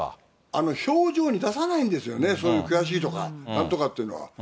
あの表情に出さないんですよね、その、悔しいとかなんとかっていうのは。